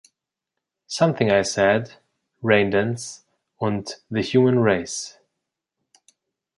„Something I Said“, „Raindance“ und „The Human Race“.